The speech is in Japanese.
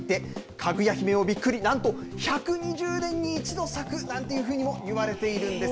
かぐや姫もびっくり、なんと１２０年に一度咲くなんていうふうにも言われているんです。